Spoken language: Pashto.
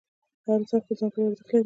هر انسان خپل ځانګړی ارزښت لري.